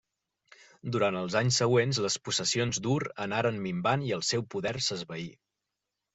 Durant els anys següents, les possessions d'Ur anaren minvant i el seu poder s'esvaí.